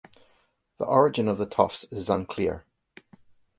The origin of the Tofts is unclear.